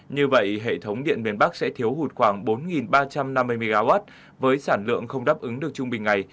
như vậy hệ thống điện miền bắc sẽ thiếu hụt khoảng bốn ba trăm năm mươi mw với sản lượng không đáp ứng được trung bình ngày